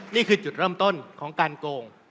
นี่คือจุดเริ่มต้นของการโกง